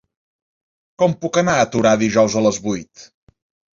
Com puc anar a Torà dijous a les vuit?